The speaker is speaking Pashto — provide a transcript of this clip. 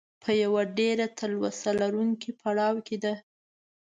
په یوه ډېره تلوسه لرونکي پړاو کې ده.